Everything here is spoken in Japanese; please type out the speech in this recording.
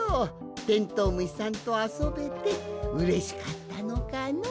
テントウムシさんとあそべてうれしかったのかの？